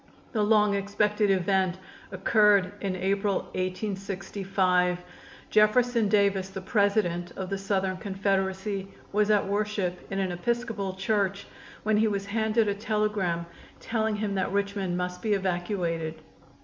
The long expected event occurred in April, 1865. Jefferson Davis, the President of the Southern Confederacy, was at worship in an Episcopal church when he was handed a telegram telling him that Richmond must be evacuated.